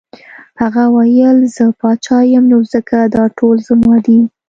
هغه وویل زه پاچا یم نو ځکه دا ټول زما دي.